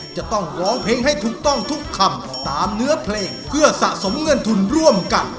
จะต้องร้องเพลงให้ถูกต้องทุกคำตามเนื้อเพลงเพื่อสะสมเงินทุนร่วมกัน